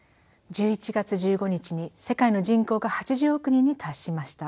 １１月１５日に世界の人口が８０億人に達しました。